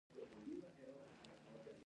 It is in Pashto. کاري اصول د اخلاقو په اساس استوار دي.